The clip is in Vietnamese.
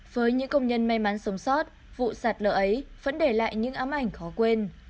với những công nhân may mắn sống sót vụ sạt lở ấy vẫn để lại những ám ảnh khó quên